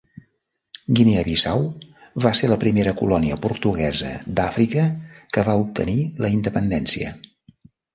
Guinea-Bissau va ser la primera colònia portuguesa d'Àfrica que va obtenir la independència.